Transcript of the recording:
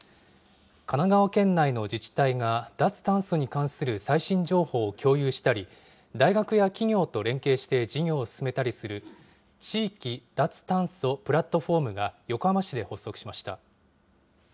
神奈川県内の自治体が、脱炭素に関する最新情報を共有したり、大学や企業と連携して事業を進めたりする地域脱炭素プラットフォームが、横浜市で発足しました。